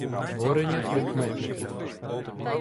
Творення прикметників